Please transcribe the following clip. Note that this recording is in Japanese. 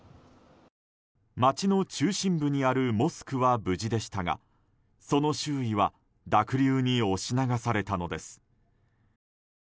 町の中心部にあるモスクは無事でしたがその周囲は濁流に押し流されたのです。